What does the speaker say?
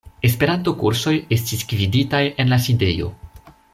Esperanto-kursoj estis gviditaj en la sidejo.